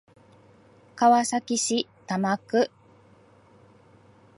川崎市多摩区